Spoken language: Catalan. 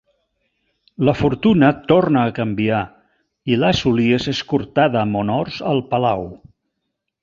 La fortuna torna a canviar i Lazuli és escortada amb honors al palau.